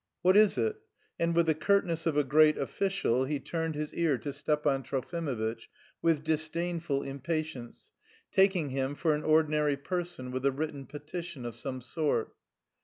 "What is it?" And with the curtness of a great official he turned his ear to Stepan Trofimovitch with disdainful impatience, taking him for an ordinary person with a written petition of some sort.